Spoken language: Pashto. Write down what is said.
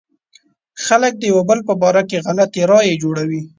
خلک د يو بل په باره کې غلطې رايې جوړوي.